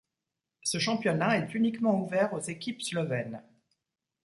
Ce championnat est uniquement ouvert aux équipes slovènes.